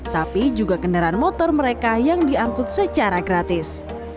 tapi juga kendaraan motor mereka yang diangkut secara gratis